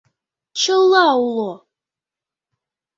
Чыла уло!